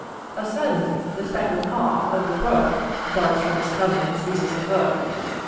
A sudden, the speckled hawk of the brook Darts from his cover and seizes the hook.